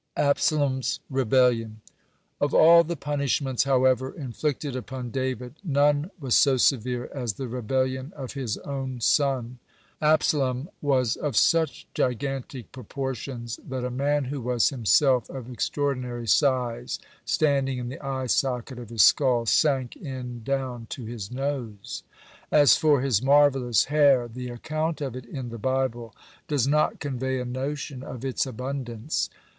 (96) ABSALOM'S REBELLION Of all the punishments, however, inflicted upon David, none was so severe as the rebellion of his own son. Absalom was of such gigantic proportions that a man who was himself of extraordinary size, standing in the eye socket of his skull, sank in down to his nose. (97) As for his marvellous hair, the account of it in the Bible does not convey a notion of its abundance.